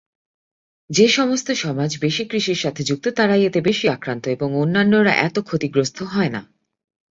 যেসমস্ত সমাজ বেশি কৃষির সাথে যুক্ত তারাই এতে বেশি আক্রান্ত এবং অন্যান্যরা এত ক্ষতিগ্রস্ত হয়না।